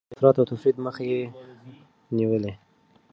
د افراط او تفريط مخه يې نيولې.